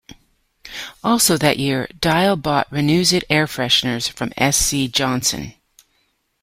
Also that year, Dial bought Renuzit air fresheners from S. C. Johnson.